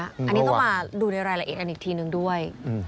อันนี้ต้องมาดูในรายละเอียดกันอีกทีนึงด้วย